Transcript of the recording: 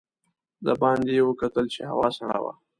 د باندې یې وکتل چې هوا سړه وه.